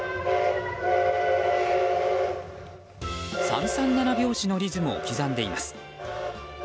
三三七拍子のリズムを刻んでいます。